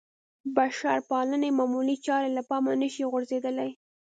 بشرپالنې معمولې چارې له پامه نه شي غورځېدلی.